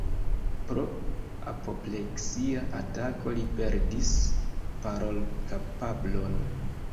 Pro apopleksia atako li perdis parolkapablon.